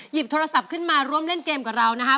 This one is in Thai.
หยิบโทรศัพท์ขึ้นมาร่วมเล่นเกมกับเรานะครับ